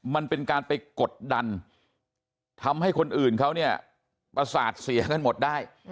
มันเป็นการไปกดดันทำให้คนอื่นเขาเนี่ยประสาทเสียกันหมดได้